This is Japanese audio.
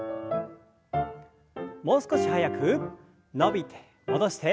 もう少し速く伸びて戻して。